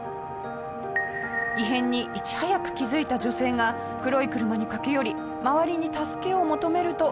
異変にいち早く気付いた女性が黒い車に駆け寄り周りに助けを求めると。